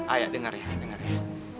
ayah denger ya denger ya